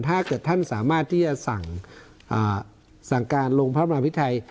ถ้าเกิดท่านสามารถที่จะสั่งการลงพระมหาพิทัย